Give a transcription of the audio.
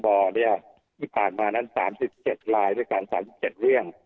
สคบเนี่ยที่ผ่านมานั้น๓๗รายด้วยกัน๓๗เรื่อง